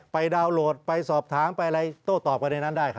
ดาวน์โหลดไปสอบถามไปอะไรโต้ตอบกันในนั้นได้